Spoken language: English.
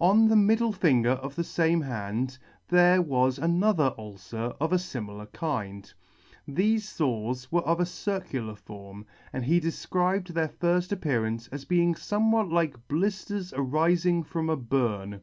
On the middle finger of the fame hand there was another ulcer of a fimilar kind. Thefe fores were of a circular form, and he defcribed their firfl: appearance as being fomewhat like blifters arifing from a burn.